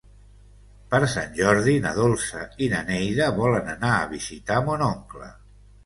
Per Sant Jordi na Dolça i na Neida volen anar a visitar mon oncle.